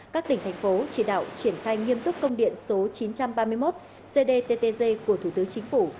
các tỉnh thành phố chỉ đạo triển khai nghiêm túc công điện số chín trăm ba mươi một cdttg của thủ tướng chính phủ